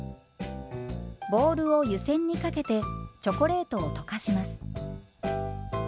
ボウルを湯煎にかけてチョコレートを溶かします。